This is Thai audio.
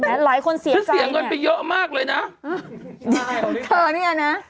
แบบนั้นหลายคนเสียใจเนี่ยเหรอห้ะเธอนี่เนี่ยนะ